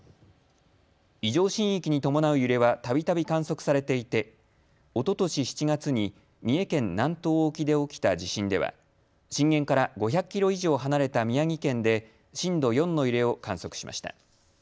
異常震域に伴う揺れはたびたび観測されていておととし７月に三重県南東沖で起きた地震では震源から５００キロ以上離れた宮城県で震度４の揺れを観測しました。